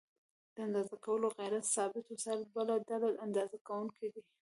د اندازه کولو غیر ثابت وسایل بله ډله اندازه کوونکي دي.